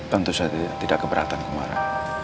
tentu saja tidak keberatan kemarin